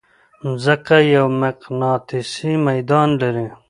مځکه یو مقناطیسي ميدان لري.